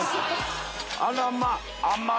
あらま！